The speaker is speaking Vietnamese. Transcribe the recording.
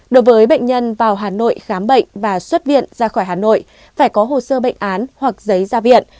đối với bệnh nhân vào hà nội khám bệnh và xuất viện ra khỏi hà nội phải có hồ sơ bệnh án hoặc giấy ra viện